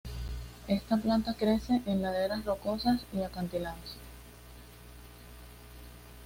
Esta planta crece en laderas rocosas y acantilados.